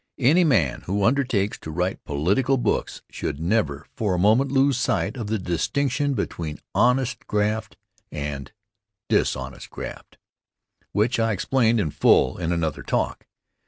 Any man who undertakes to write political books should never for a moment lose sight of the distinction between honest graft and dishonest graft, which I explained in full in another talk.